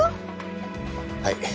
はい。